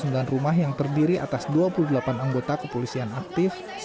penghuni lima puluh sembilan rumah yang terdiri atas dua puluh delapan anggota kepolisian aktif